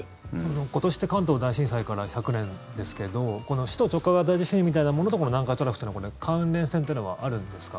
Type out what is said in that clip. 今年って関東大震災から１００年ですけど首都直下型地震みたいなものと南海トラフというのは関連性というのはあるんですか？